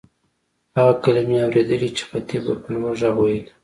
هغه کلیمې اورېدلې چې خطیب به په لوړ غږ وېلې.